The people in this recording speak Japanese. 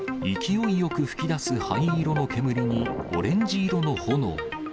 勢いよく噴き出す灰色の煙にオレンジ色の炎。